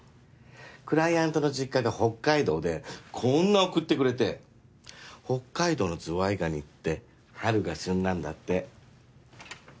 クライアントの実家が北海道でこんな送ってくれて北海道のズワイガニって春が旬なんだって。